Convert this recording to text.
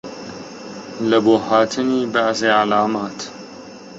لەبۆ هاتنی بەعزێ عەلامات